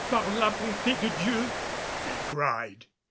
"Par la bonté de Dieu," he cried.